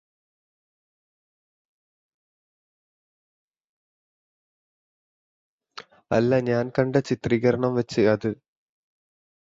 അല്ല ഞാന് കണ്ട ചിത്രികരണം വച്ച് അത്